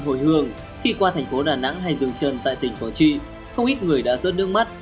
hồi hương khi qua thành phố đà nẵng hay dương trân tại tỉnh hồ chí không ít người đã rớt nước mắt